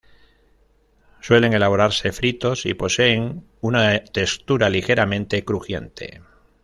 Suelen elaborarse fritos y poseen una textura ligeramente crujiente.